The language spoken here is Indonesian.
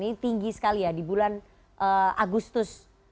ini tinggi sekali ya di bulan agustus